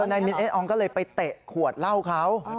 นายมินเอสอองก็เลยไปเตะขวดเหล้าเขา